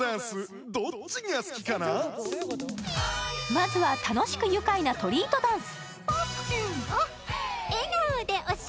まずは楽しく愉快なトリートダンス。